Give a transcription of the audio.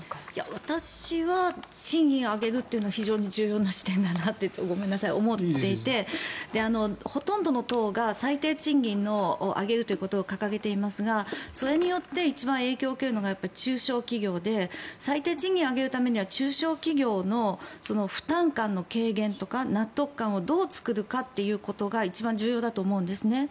私は賃金上げるというのは非常に重要な視点だと思っていてほとんどの党が最低賃金を上げるということを掲げていますがそれによって一番影響を受けるのが中小企業で最低賃金を上げるためには中小企業の負担感の軽減とか納得感をどう作るかということが一番重要だと思うんですね。